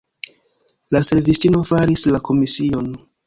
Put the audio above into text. La servistino faris la komision.